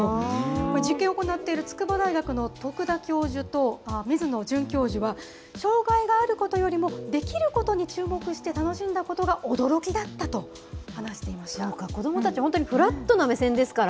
これ、実験を行っている筑波大学の徳田教授と水野准教授は、障害があることよりもできることに注目して楽しんだことが驚きだそうか、子どもたち、本当にフラットな目線ですから。